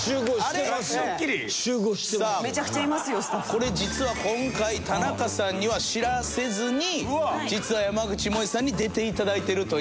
これ実は今回田中さんには知らせずに実は山口もえさんに出ていただいてるという。